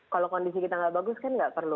kalau kondisi kita tidak bagus kan tidak perlu